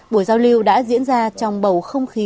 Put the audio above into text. buổi giao lưu đã diễn ra trong bầu không khí